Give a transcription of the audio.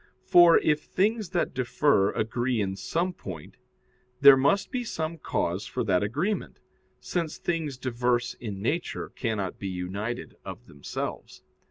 For, if things that differ agree in some point, there must be some cause for that agreement, since things diverse in nature cannot be united of themselves.